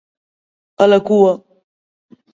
A la cua.